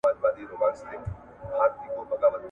نوري ډیموکراسۍ څنګه پرېکړي کوي؟